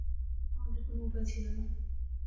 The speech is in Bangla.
আমাদের কোনো উপায় ছিল না।